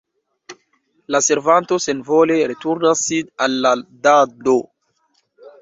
La servanto senvole returnas sin al la dando.